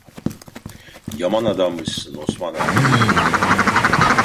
Yaman adammışsın Osman Ağa.